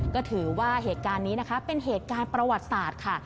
ก็ถือว่าเหตุการณ์นี้นะคะเป็นเหตุการณ์ประวัติศาสตร์ค่ะ